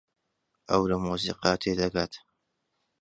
ئەو لە مۆسیقا تێدەگات.